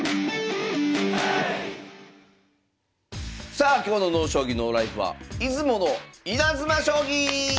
さあ今日の「ＮＯ将棋ＮＯＬＩＦＥ」は「出雲のイナズマ将棋」！